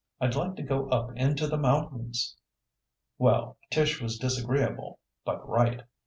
I'd like to go up into the mountains." Well, Tish was disagreeable, but right.